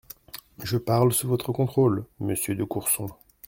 Je parle sous votre contrôle, monsieur de Courson.